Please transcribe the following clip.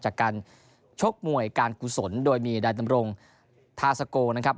จากการชกมวยการกุศลโดยมีนายดำรงทาสโกนะครับ